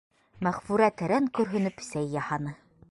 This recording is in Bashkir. Мәғфүрә тәрән көрһөнөп сәй яһаны.